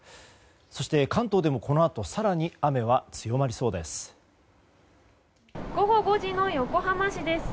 そして、関東でもこのあと更に雨は強まりそうです。